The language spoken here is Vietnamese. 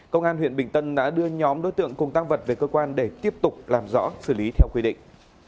công an huyện bình tân đã đưa nhóm đối tượng cùng tăng vật về cơ quan để tiếp tục làm rõ xử lý theo quy định